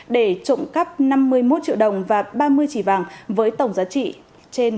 để trộm cắp năm mươi một triệu đồng và ba mươi chỉ vàng với tổng giá trị trên một trăm năm mươi triệu đồng